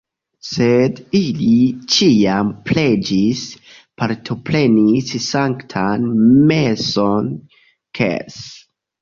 Sed ili ĉiam preĝis, partoprenis sanktan meson ks.